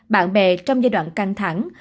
bạn bè trong giai đoạn căng thẳng